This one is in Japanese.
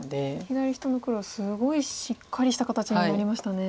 左下の黒すごいしっかりした形になりましたね。